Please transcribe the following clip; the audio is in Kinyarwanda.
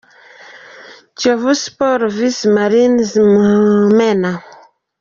Kiyovu Sports vs Marines – Mumena.